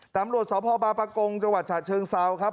ตำรวจสพบางประกงจังหวัดฉะเชิงเซาครับ